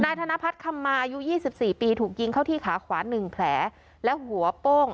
นายธนพัฒน์คำมาอายุยี่สิบสี่ปีถูกยิงเข้าที่ขาขวานหนึ่งแผลและหัวโป้ง